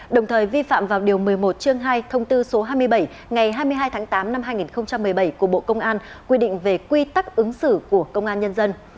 đồng thời vi phạm vào điều một mươi một chương hai thông tư số hai mươi bảy ngày hai mươi hai tháng tám năm hai nghìn một mươi bảy của bộ công an quy định về quy tắc ứng xử của công an nhân dân